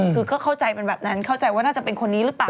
คือก็เข้าใจเป็นแบบนั้นเข้าใจว่าน่าจะเป็นคนนี้หรือเปล่า